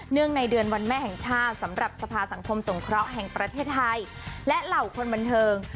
ในเดือนวันแม่แห่งชาติสำหรับสภาสังคมสงเคราะห์แห่งประเทศไทยและเหล่าคนบันเทิง